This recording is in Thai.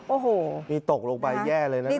โอ้โหตกลงไล่แย่เลยนะ